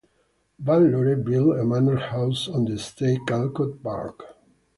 Vanlore built a manor house on the estate-Calcot Park.